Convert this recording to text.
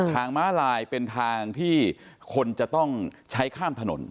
ม้าลายเป็นทางที่คนจะต้องใช้ข้ามถนน